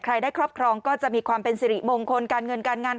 ได้ครอบครองก็จะมีความเป็นสิริมงคลการเงินการงาน